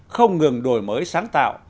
không ngừng đổi mới sáng tạo